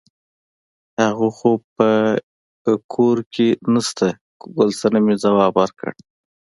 هغه خو په کور کې نشته ګل صمنې ځواب ورکړ.